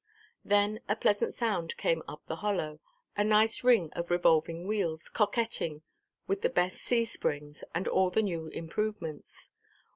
Then a pleasant sound came up the hollow, a nice ring of revolving wheels coquetting with the best C springs and all the new improvements.